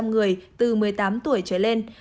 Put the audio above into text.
một trăm linh người từ một mươi tám tuổi trở lên